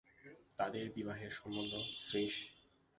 তাঁদের বিবাহের সম্বন্ধ– শ্রীশ।